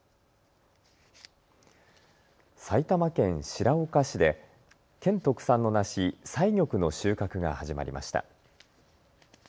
埼玉県白岡市で県特産の梨彩玉の収穫が始まりました。